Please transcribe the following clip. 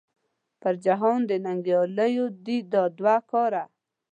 پر جهان د ننګیالو دې دا دوه کاره .